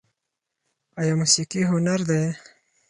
آیا موسیقي هنر دی؟